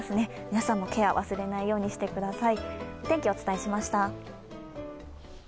皆さんもケア、忘れないようにしてください。